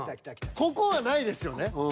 ここはないですよね。